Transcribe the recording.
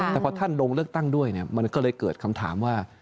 แต่พอท่านลงเลือกตั้งด้วยมันก็เลยเกิดคำถามว่า